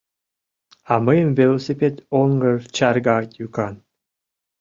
А мыйын велосипед оҥгыр чарга йӱкан.